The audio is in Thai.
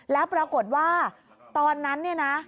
แล้วปรากฏว่าตอนนั้นเนี่ยนะ